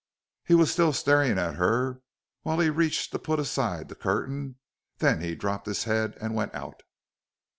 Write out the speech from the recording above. He was still staring at her while he reached to put aside the curtains; then he dropped his head and went out.